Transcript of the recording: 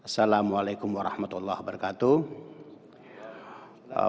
assalamu'alaikum warahmatullahi wabarakatuh